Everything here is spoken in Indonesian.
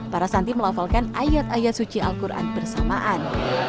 para santri melafalkan ayat ayat suci al quran bersamaan